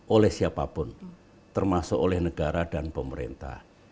oleh siapapun termasuk oleh negara dan pemerintah